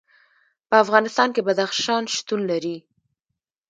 په افغانستان کې بدخشان شتون لري.